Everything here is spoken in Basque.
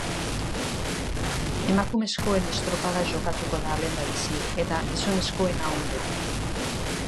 Emakumezkoen estropada jokatuko da lehendabizi eta gizonezkoena ondoren.